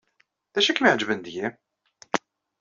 D acu ay kem-iɛejben deg-i?